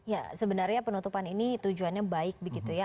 ya sebenarnya penutupan ini tujuannya baik begitu ya